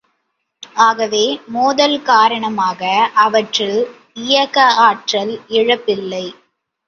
ஆகவே, மோதல் காரணமாக அவற்றில் இயக்க ஆற்றல் இழப்பில்லை.